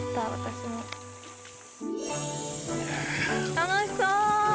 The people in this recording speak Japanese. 楽しそう！